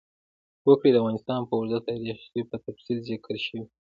وګړي د افغانستان په اوږده تاریخ کې په تفصیل ذکر شوی دی.